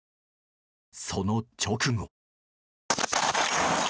その直後。